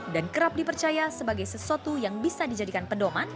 dan kerap dipercaya sebagai sesuatu yang bisa dijadikan pedoman